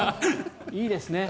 いいですね。